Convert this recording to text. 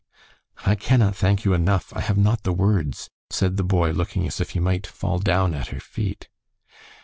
"I cannot thank you enough. I have not the words," said the boy, looking as if he might fall down at her feet.